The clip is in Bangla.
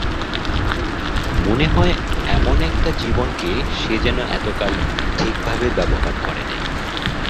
মনে হয়, এমন একটা জীবনকে সে যেন এতকাল ঠিকভাবে ব্যবহার করে নাই।